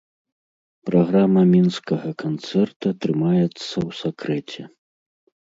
Праграма мінскага канцэрта трымаецца ў сакрэце.